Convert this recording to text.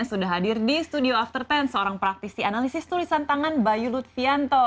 sudah hadir di studio after sepuluh seorang praktisi analisis tulisan tangan bayu lutfianto